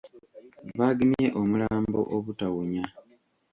Baagemye omulambo obutawunya.